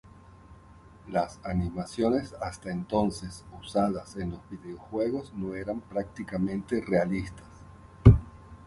Las animaciones hasta entonces usadas en los videojuegos no eran prácticamente realistas.